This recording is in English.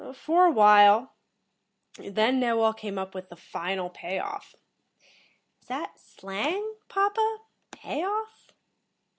"For a while. Then Knowall came up with the final pay off." "Is that slang, papa? Pay off?"